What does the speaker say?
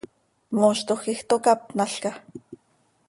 ¿Mooztoj quij tocápnalca?